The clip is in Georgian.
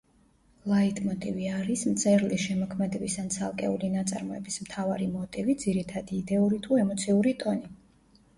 ლაიტმოტივი არის მწერლის შემოქმედების ან ცალკეული ნაწარმოების მთავარი მოტივი, ძირითადი იდეური თუ ემოციური ტონი.